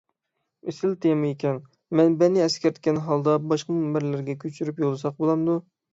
ئېسىل تېما ئىكەن. مەنبەنى ئەسكەرتكەن ھالدا باشقا مۇنبەرلەرگە كۆچۈرۈپ يوللىساق بولامدۇ؟